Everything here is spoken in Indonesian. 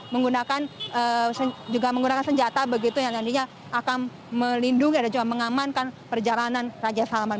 menggunakan juga menggunakan senjata begitu yang nantinya akan melindungi dan juga mengamankan perjalanan raja salman